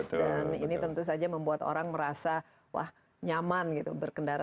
dan ini tentu saja membuat orang merasa wah nyaman gitu berkendara